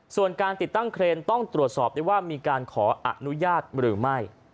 ส่วนการติดตั้งเครนต้องตรวจสอบได้ว่ามีการขออนุญาตหรือไม่